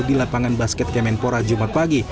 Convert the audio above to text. di lapangan basket kemenpora jumat pagi